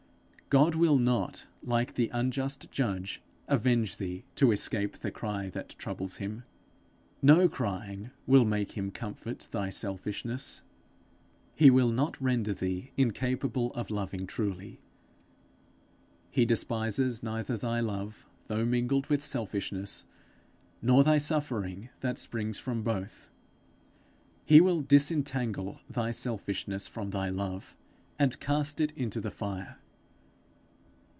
God will not, like the unjust judge, avenge thee to escape the cry that troubles him. No crying will make him comfort thy selfishness. He will not render thee incapable of loving truly. He despises neither thy love though mingled with selfishness, nor thy suffering that springs from both; he will disentangle thy selfishness from thy love, and cast it into the fire.